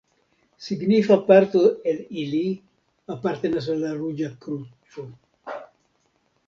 Signifa parto el ili apartenas al la Ruĝa Kruco.